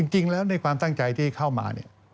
จริงแล้วในความตั้งใจที่เข้ามาเนี่ย